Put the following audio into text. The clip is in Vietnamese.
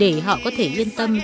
để họ có thể yên tâm